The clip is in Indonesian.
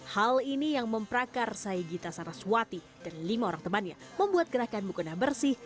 hal ini yang memprakar saygita saraswati dan lima orang temannya membuat gerakan mukena bersih